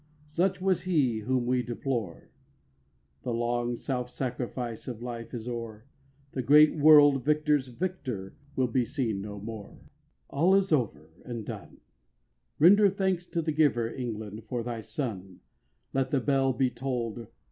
Such was he whom we deplore. The long self sacrifice of life is o'er. The great World victor's victor will be seen no more. 5. All is over and done: Render thanks to the Giver, England, for thy son. Let the bell be toll'd.